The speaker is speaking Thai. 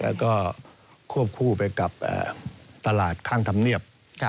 แล้วก็ควบคู่ไปกับตลาดข้างธรรมเนียบ